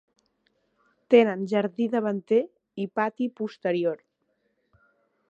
Tenen jardí davanter i pati posterior.